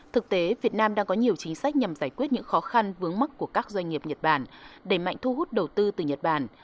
thực tế việt nam đang có nhiều chính sách nhằm giải quyết những khó khăn vướng mắt của các doanh nghiệp nhật bản đẩy mạnh thu hút đầu tư từ nhật bản